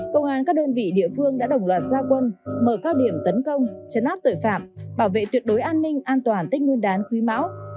công an các đơn vị địa phương đã đồng loạt gia quân mở các điểm tấn công chấn áp tội phạm bảo vệ tuyệt đối an ninh an toàn tích nguyên đán quý máu hai nghìn hai mươi ba